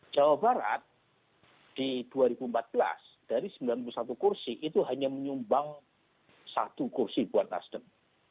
jawa barat di dua ribu empat belas dari sembilan puluh satu kursi itu hanya menyumbang satu kursi buat nasdem